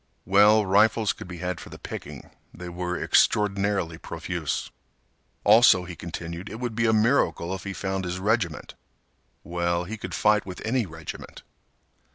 Well, rifles could be had for the picking. They were extraordinarily profuse. Also, he continued, it would be a miracle if he found his regiment. Well, he could fight with any regiment.